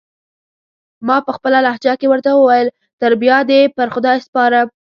ما پخپله لهجه کې ورته وویل: تر بیا دې پر خدای سپارم.